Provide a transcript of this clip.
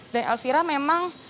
dan elvira memang